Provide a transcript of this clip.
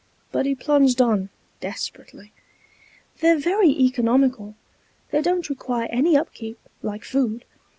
But he plunged on, desperately. "They're very economical. They don't require any upkeep, like food.